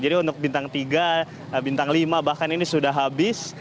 jadi untuk bintang tiga bintang lima bahkan ini sudah habis